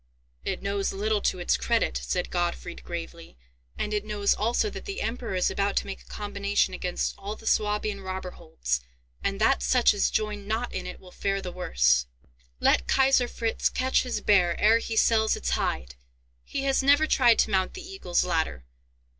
"It knows little to its credit," said Gottfried, gravely; "and it knows also that the Emperor is about to make a combination against all the Swabian robber holds, and that such as join not in it will fare the worse." "Let Kaiser Fritz catch his bear ere he sells its hide! He has never tried to mount the Eagle's Ladder!